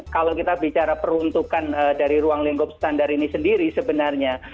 kalau kita bicara peruntukan dari ruang lingkup standar ini sendiri sebenarnya